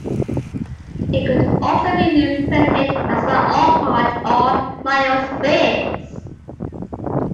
It could also be interpreted as "my own part" or "my own space".